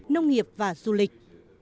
nông nghiệp và du lịch